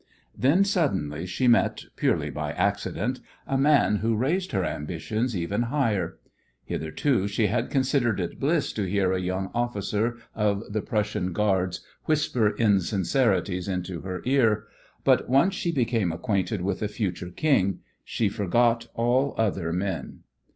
Then suddenly she met, purely by accident, a man who raised her ambitions even higher. Hitherto she had considered it bliss to hear a young officer of the Prussian Guards whisper insincerities into her ear, but once she became acquainted with a future King she forgot all other men.